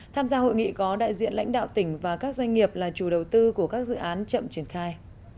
tham gia hội nghị có đại diện lãnh đạo tỉnh và các doanh nghiệp là chủ đầu tư của các dự án chậm triển khai